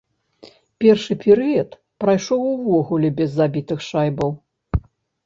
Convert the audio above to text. Першы перыяд прайшоў увогуле без забітых шайбаў.